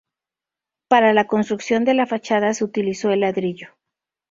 Para la construcción de la fachada se utilizó el ladrillo.